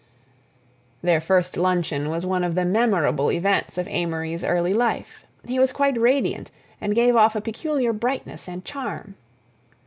Their first luncheon was one of the memorable events of Amory's early life. He was quite radiant and gave off a peculiar brightness and charm.